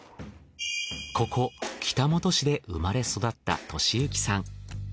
ここ北本市で生まれ育った俊之さん。